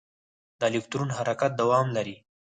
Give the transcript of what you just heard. د الکترون حرکت دوام لري.